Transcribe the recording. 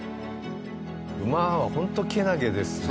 馬はホントけなげですね。